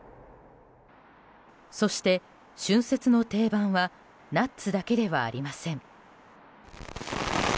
そして、春節の定番はナッツだけではありません。